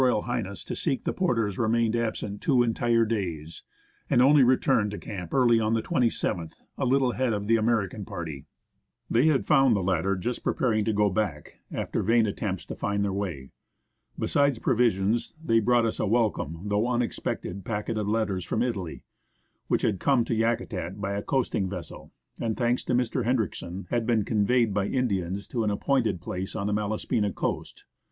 H. to seek the porters remained absent two entire days, and only returned to camp early on the 27th, a little ahead of the American party. They had found the latter just preparing to go back, after vain attempts to find their way. Besides provisions, they brought us a welcome, though unexpected, packet of letters from Italy, which had come to Yakutat by a coasting vessel, and, thanks to Mr. Hendriksen, had been conveyed by Indians to an appointed place on the Malaspina coast.